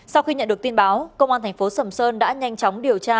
sau khi nhận được tin báo công an thành phố sầm sơn đã nhanh chóng điều tra